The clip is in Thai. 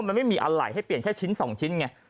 มันไม่มีอะไรให้เปลี่ยนแค่ชิ้น๒ชิ้นไง